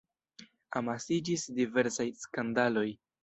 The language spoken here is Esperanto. Amasiĝis diversaj skandaloj.